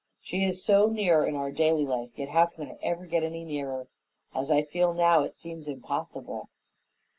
She is so near in our daily life, yet how can I ever get any nearer? As I feel now, it seems impossible."